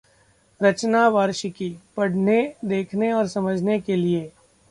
रचना वार्षिकी: पढ़ने, देखने और समझने के लिए